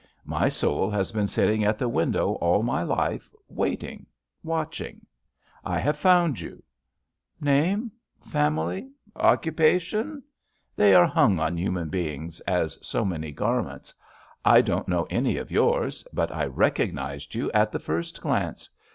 My soul has been sitting at the window all my life, waiting, watching. I have found you. / just SWEETHEARTS Name? family? occupation? — they are hung on human beings as so many garments. I don't know any of yours, but I recognized you at the first glance.